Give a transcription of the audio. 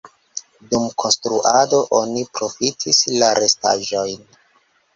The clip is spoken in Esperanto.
Dum konstruado oni profitis la restaĵojn.